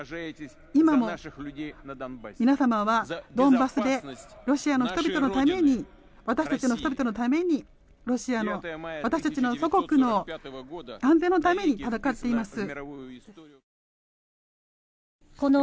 今も皆様はドンバスでロシアの人々のために私たちの人々のためにロシアの私たちの祖国の安定のために戦っています。